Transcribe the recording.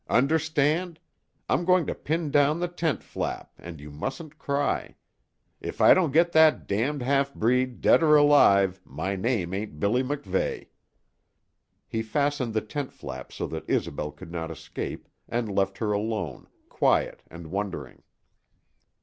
"Understand? I'm going to pin down the tent flap, and you mustn't cry. If I don't get that damned half breed, dead or alive, my name ain't Billy MacVeigh." He fastened the tent flap so that Isobel could not escape, and left her alone, quiet and wondering.